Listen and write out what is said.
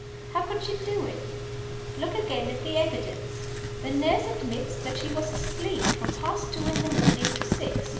How could she do it? Look again at the evidence. The nurse admits that she was asleep from past two in the morning to six.